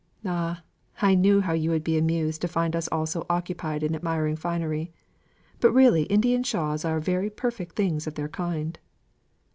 "Ah, I knew how you would be amused to find us all so occupied in admiring finery. But really Indian shawls are very perfect things of their kind."